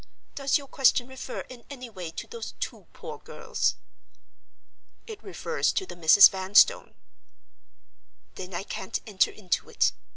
"Does your question refer in any way to those two poor girls?" "It refers to the Misses Vanstone." "Then I can't enter into it.